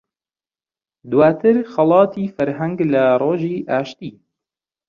دواتر خەڵاتی فەرهەنگ لە ڕۆژی ئاشتی